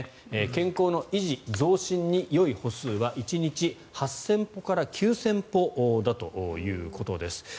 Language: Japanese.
健康の維持・増進によい歩数は１日８０００歩から９０００歩ということです。